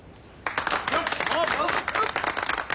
よっ！